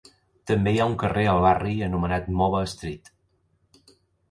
També hi ha un carrer al barri anomenat Mova Street.